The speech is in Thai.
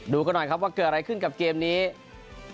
ดูก็หน่อยครับว่าเกิดอะไรขึ้นกับเกมนะครับ